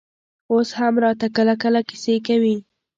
اوس هم راته کله کله کيسې کوي.